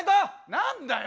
何だよ。